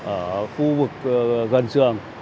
ở khu vực gần trường